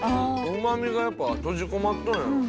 うまみがやっぱ閉じ込まっとる。